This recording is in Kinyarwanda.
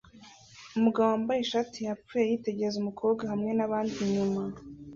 Umugabo wambaye ishati yapfuye yitegereza umukobwa hamwe nabandi inyuma